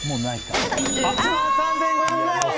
１万３５００円！